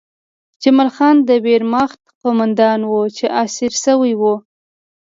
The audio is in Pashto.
جمال خان د ویرماخت قومندان و چې اسیر شوی و